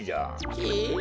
え。